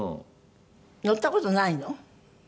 乗った事ないの？